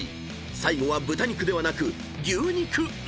［最後は豚肉ではなく］